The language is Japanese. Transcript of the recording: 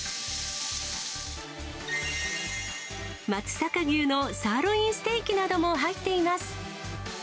松阪牛のサーロインステーキなども入っています。